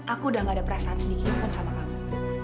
aku udah gak ada perasaan sedikit pun sama kamu